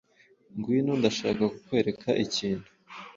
Ngwino, Ndashaka kukwereka ikintu.